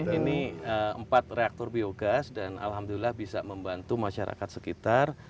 ini empat reaktor biogas dan alhamdulillah bisa membantu masyarakat sekitar